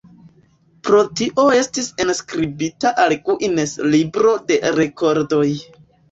Pro tio estis enskribita al Guinness-libro de rekordoj.